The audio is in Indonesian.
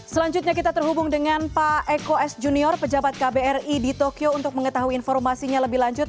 selanjutnya kita terhubung dengan pak eko s junior pejabat kbri di tokyo untuk mengetahui informasinya lebih lanjut